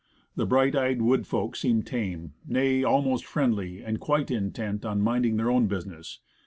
But the bright eyed woodfolk seemed tame, nay, almost friendly, and quite intent on mind ing their own business.